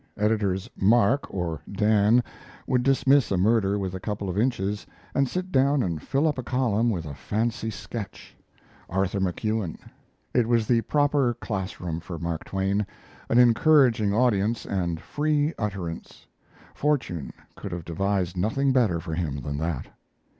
Editors Mark or Dan would dismiss a murder with a couple of inches and sit down and fill up a column with a fancy sketch: "Arthur McEwen"] It was the proper class room for Mark Twain, an encouraging audience and free utterance: fortune could have devised nothing better for him than that.